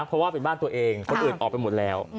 เพราะว่าเป็นบ้านตัวเองคนอื่นออกไปหมดแล้ว